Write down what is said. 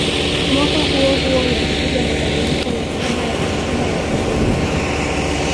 Mwaka huohuo yalikuja mabadiliko ya saba ya Katiba ya Tanzania